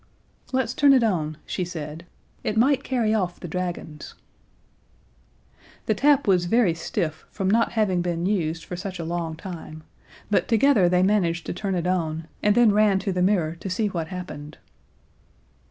"Let's turn it on," she said. "It might carry off the dragons." The tap was very stiff from not having been used for such a long time, but together they managed to turn it on, and then ran to the mirror to see what happened.